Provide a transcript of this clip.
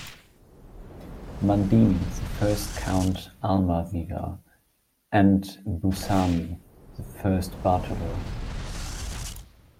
Mandini the first Count Almaviva, and Bussani the first Bartolo.